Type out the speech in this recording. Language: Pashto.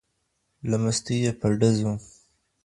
له مستۍ به یې په ډزو